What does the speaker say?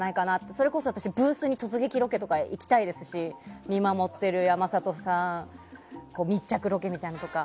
それこそブースに突撃ロケとか行きたいですし見守っている山里さんを密着ロケみたいなのとか。